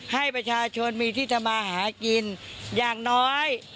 ให้ประชาชนมีที่ทำมาหากินอย่างน้อย